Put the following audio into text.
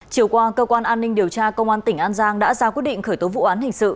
chiều qua cơ quan an ninh điều tra công an tỉnh an giang đã ra quyết định khởi tố vụ án hình sự